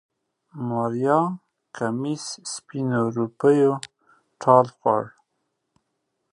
د ماريا کميس سپينو روپيو ټال خوړ.